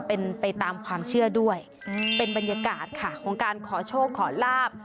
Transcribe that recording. เป็นไปตามความเชื่อด้วยเป็นบรรยากาศค่ะของการขอโชคขอลาบ